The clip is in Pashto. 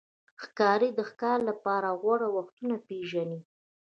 ښکاري د ښکار لپاره غوره وختونه پېژني.